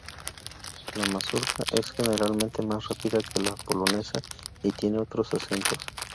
La mazurca es generalmente más rápida que la polonesa y tiene otros acentos.